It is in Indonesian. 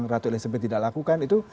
ratu elizabeth tidak lakukan itu